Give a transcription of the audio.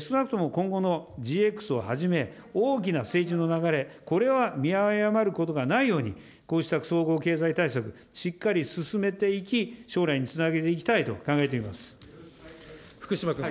そのあとも今後のＧＸをはじめ、大きな政治の流れ、これは見誤ることがないように、こうした総合経済対策、しっかり進めていき、将来につなげていきたいと考えて福島君。